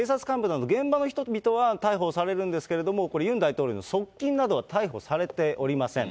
さらには警察幹部など、現場の人々は逮捕されるんですけれども、これ、ユン大統領の側近などは逮捕されておりません。